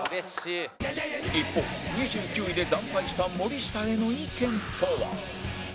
一方２９位で惨敗した森下への意見とは？